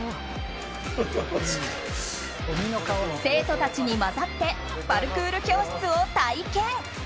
生徒たちに交ざってパルクール教室を体験！